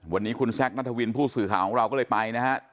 วันนี้คุณแซคนัทวินผู้สื่อข่าวของเราก็เลยไปนะฮะ